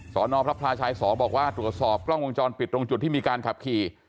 นพระพลาชายสอบอกว่าตรวจสอบกล้องวงจรปิดตรงจุดที่มีการขับขี่